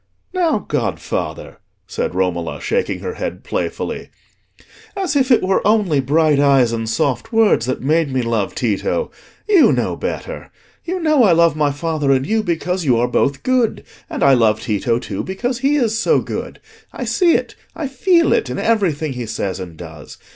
"Now, godfather," said Romola, shaking her head playfully, "as if it were only bright eyes and soft words that made me love Tito! You know better. You know I love my father and you because you are both good, and I love Tito too because he is so good. I see it, I feel it, in everything he says and does.